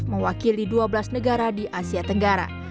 mewakili dua belas negara di asia tenggara